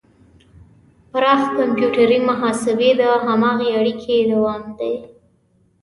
پراخ کمپیوټري محاسبې د هماغې اړیکې دوام دی.